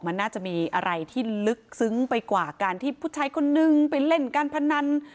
มันน่าจะมีอะไรที่ลึกซึ้งไปกว่าการที่ผู้ชายคนนึงไปเล่นการพนัน